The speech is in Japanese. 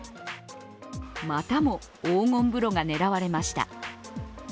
またも黄金風呂が狙われました。